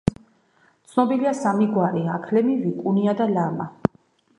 ცნობილია სამი გვარი: აქლემი, ვიკუნია და ლამა.